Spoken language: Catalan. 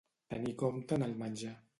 Tenir compte en el menjar.